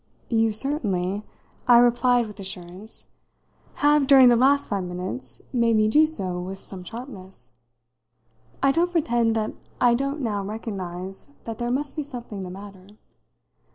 "You certainly," I replied with assurance, "have, during the last five minutes, made me do so with some sharpness. I don't pretend that I don't now recognise that there must be something the matter.